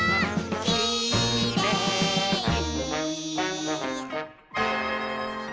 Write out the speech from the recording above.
「きれい」